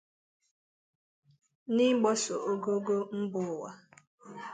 n'ịgbaso ogoogo mba ụwa.